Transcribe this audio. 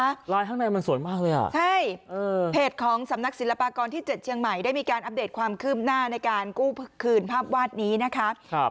ไลน์ข้างในมันสวยมากเลยอ่ะใช่เพจของสำนักศิลปากรที่เจ็ดเชียงใหม่ได้มีการอัปเดตความคืบหน้าในการกู้คืนภาพวาดนี้นะคะครับ